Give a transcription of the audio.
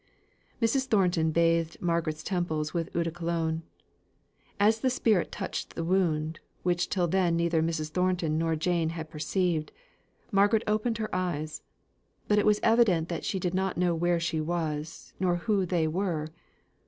Mrs. Thornton bathed Margaret's temples with eau de Cologne. As the spirit touched the wound, which till then neither Mrs. Thornton nor Jane had perceived, Margaret opened her eyes; but it was evident she did not know where she was, nor who they were.